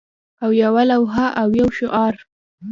او یوه لوحه او یو شعار